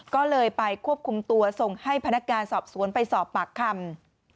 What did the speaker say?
ก็เลยไปควบคุมตัวส่งให้พนักงานสอบสวนไปสอบปากคำ